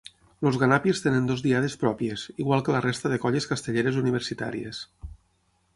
Els Ganàpies tenen dues diades pròpies, igual que la resta de colles castelleres universitàries.